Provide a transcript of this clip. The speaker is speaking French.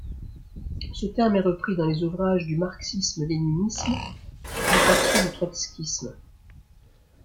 Ce terme est repris dans les ouvrages du marxisme-léninisme, puis par ceux du trotskysme.